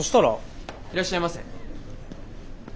いらっしゃいませ。